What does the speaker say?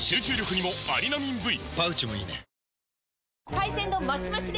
海鮮丼マシマシで！